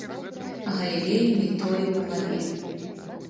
Галілею не тое ў галаве.